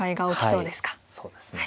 そうですね。